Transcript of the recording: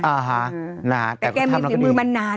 เบลล่าเบลล่า